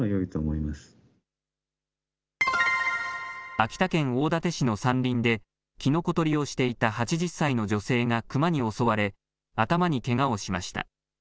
秋田県大館市の山林で、きのこ採りをしていた８０歳の女性がクマに襲われ、頭にけがをしました。